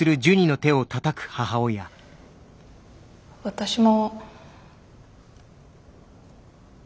私も。